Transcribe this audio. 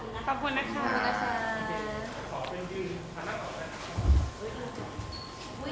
ลองให้คนเข้ามาดู